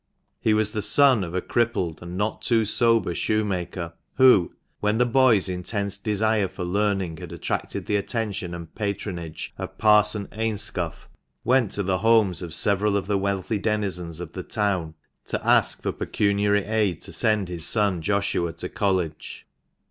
He was the son of a crippled and not too sober shoemaker, who, when the boy's intense desire for learning had attracted the attention and patronage of Parson Ainscough, went to the homes of several of the wealthy denizens of the town, to ask for pecuniary aid to send his son Joshua to college.